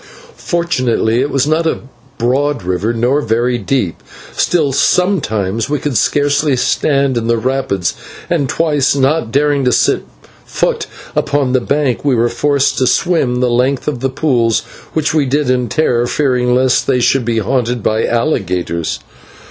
Fortunately it was not a broad river, nor very deep, still sometimes we could hardly stand in the rapids, and twice, not daring to set foot upon the bank, we were forced to swim the length of the pools, which we did in terror fearing lest they should be haunted by alligators.